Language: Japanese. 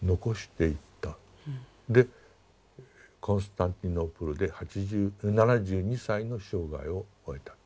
でコンスタンティノープルで７２歳の生涯を終えた。